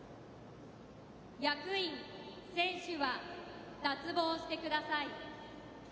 役員、選手は、脱帽してください。